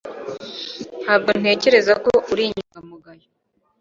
Ntabwo ntekereza ko uri inyangamugayo